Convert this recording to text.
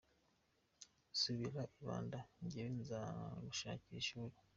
Subira i Banda, njyewe nzagushakira ishuri.